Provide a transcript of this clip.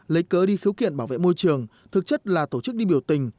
lấy cớ đi khiếu kiện bảo vệ môi trường thực chất là tổ chức đi biểu tình